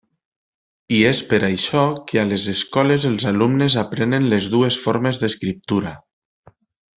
I és per això que a les escoles els alumnes aprenen les dues formes d'escriptura.